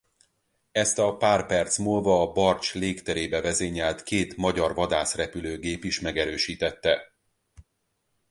Ezt a pár perc múlva a Barcs légterébe vezényelt két magyar vadászrepülőgép is megerősítette.